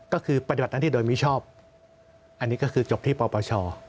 ก็คือปฏิบัติหน้าที่โดยมิชอบอันนี้ก็คือจบที่ปปช